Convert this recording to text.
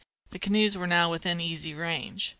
The canoes were now within easy range.